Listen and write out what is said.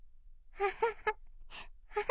アハハハ。